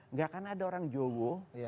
nggak akan ada orang jowo